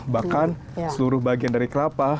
bahkan seluruh bagian dari kelapa